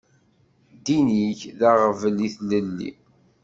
Ddin-ik d aɣbel i tlelli.